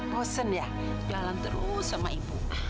bosen ya jalan terus sama ibu